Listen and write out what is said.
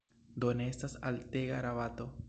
Do ne estas altega rabato.